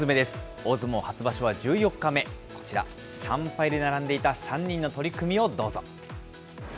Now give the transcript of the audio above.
大相撲初場所は１４日目、こちら、３敗で並んでいた３人の取組をどうぞ。